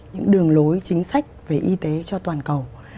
những đường lối chính sách về y tế cho toàn cầu